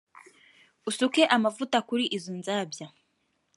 usuke amavuta muri izo nzabya